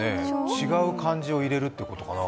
違う感じを入れるってことかな。